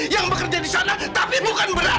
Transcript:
yang bekerja di sana tapi bukan berat